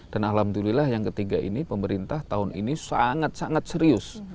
dan alhamdulillah yang ketiga ini pemerintah tahun ini sangat sangat serius